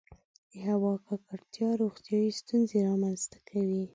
• د هوا ککړتیا روغتیایي ستونزې رامنځته کړې.